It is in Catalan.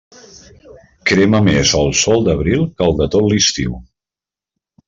Crema més el sol d'abril que el de tot l'estiu.